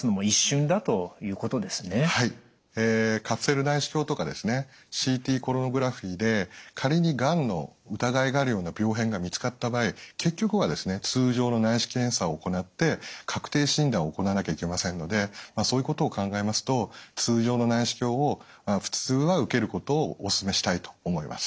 カプセル内視鏡とかＣＴコロノグラフィーで仮にがんの疑いがあるような病変が見つかった場合結局は通常の内視鏡検査を行って確定診断を行わなきゃいけませんのでそういうことを考えますと通常の内視鏡を普通は受けることをおすすめしたいと思います。